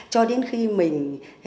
cho đến khi mình